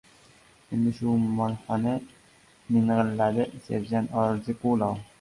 — Endi, shu molxona...— ming‘illadi serjant Orziqulov.